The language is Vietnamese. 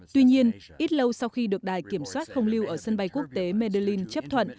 tuy nhiên ít lâu sau khi được đài kiểm soát không lưu ở sân bay quốc tế medulin chấp thuận